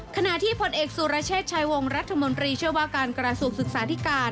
ขณะที่ผลเอกสุรเชษฐ์ชายวงรัฐมนตรีเชื่อว่าการกระทรวงศึกษาธิการ